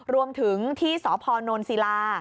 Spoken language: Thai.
รวมถึงที่สพนศิลา